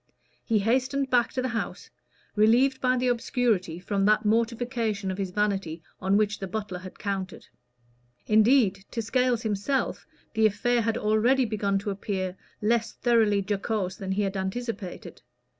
He hastened back to the house, relieved by the obscurity from that mortification of his vanity on which the butler had counted. Indeed, to Scales himself the affair had already begun to appear less thoroughly jocose than he had anticipated.